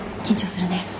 緊張するね。